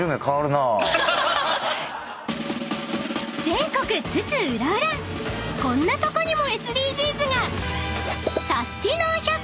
［全国津々浦々こんなとこにもＳＤＧｓが！］